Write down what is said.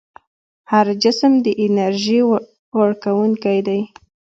هر جسم د انرژۍ وړونکی دی.